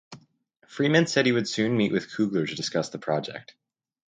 Freeman said he would soon meet with Coogler to discuss the project.